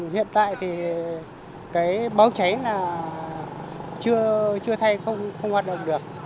hiện tại thì cái báo cháy là chưa thay không hoạt động được